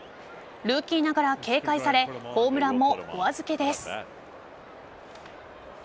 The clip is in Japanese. ルーキーながら警戒されホームランもお預けです。